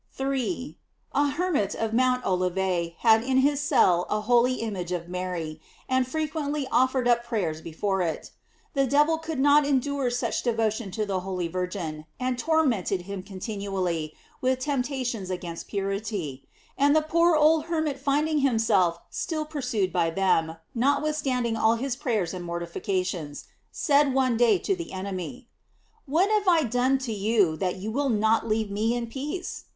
* 3. — A hermit of Mount Olivet had in his cell a holy image of Mary, and frequently offered up prayers before it. The devil could not en dure such devotion to the holy Virgin, and tor mented him continually with temptations against purity; and the poor old hermit finding him self still pursued by them, notwithstanding all his prayers and mortifications, said one day to the enemy: " What have I done to you, that you will not leave me in peace?"